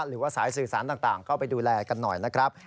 หรือว่าสายสื่อสารต่างเข้าไปดูแลกันหน่อยนะครับ